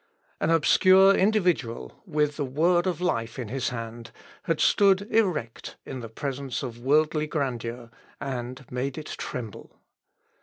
An obscure individual, with the Word of life in his hand, had stood erect in presence of worldly grandeur, and made it tremble.